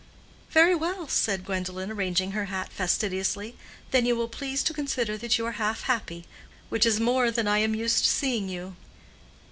"Very well," said Gwendolen, arranging her hat fastidiously, "then you will please to consider that you are half happy, which is more than I am used to seeing you."